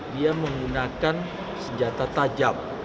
dia menggunakan senjata tajam